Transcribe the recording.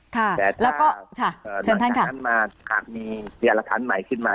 แต่ถ้าเศรษฐานมาหากมีเศรษฐานใหม่ขึ้นมา